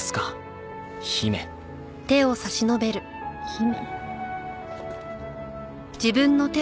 姫？